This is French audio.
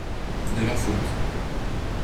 De leur faute.